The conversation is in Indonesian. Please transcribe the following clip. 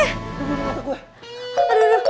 aduh mata gue